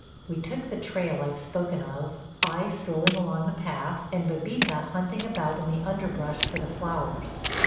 We took the trail I've spoken of, I strolling along the path, and Bébita hunting about in the underbrush for the flowers.